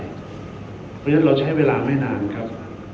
เพราะฉะนั้นเราใช้เวลาไม่นานครับ